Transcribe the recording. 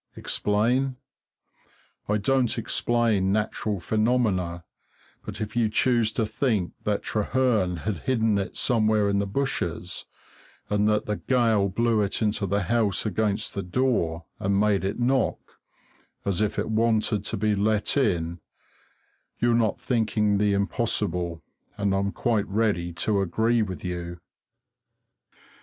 Explain? I don't explain natural phenomena, but if you choose to think that Trehearn had hidden it somewhere in the bushes, and that the gale blew it to the house against the door, and made it knock, as if it wanted to be let in, you're not thinking the impossible, and I'm quite ready to agree with you.